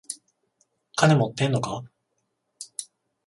金持ってんのか？